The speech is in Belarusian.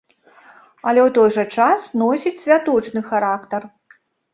Але ў той жа час носіць святочны характар.